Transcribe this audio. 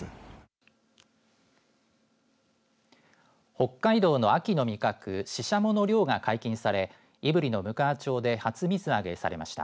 北海道の秋の味覚シシャモの漁が解禁され胆振のむかわ町で初水揚げされました。